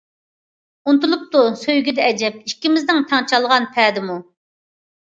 ئۇنتۇلۇپتۇ سۆيگۈدە ئەجەب، ئىككىمىز تەڭ چالغان پەدىمۇ.